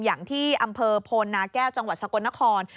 อย่างที่อำเภอโพนาแก้วจังหวัดสกลนคร